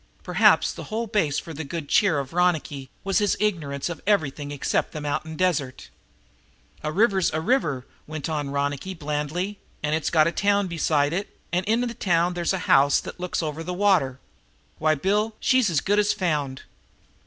Perhaps the whole base for the good cheer of Ronicky was his ignorance of everything except the mountain desert. "A river's a river," went on Ronicky blandly. "And it's got a town beside it, and in the town there's a house that looks over the water. Why, Bill, she's as good as found!"